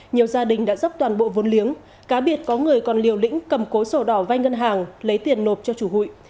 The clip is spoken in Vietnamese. nhiều gia đình đã dốc toàn bộ vốn liếng cá biệt có người còn liều lĩnh cầm cố sổ đỏ vai ngân hàng lấy tiền nộp cho chủ hụi